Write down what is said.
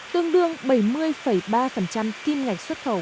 tương đương bảy mươi ba kim ngạch xuất khẩu